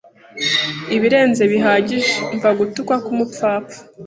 ibirenze bihagije umva gutukwa kumupfapfa